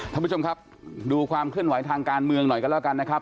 ท่านผู้ชมครับดูความเคลื่อนไหวทางการเมืองหน่อยกันแล้วกันนะครับ